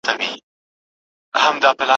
زوړ خوشحال به دوباره شي په دا ځوان.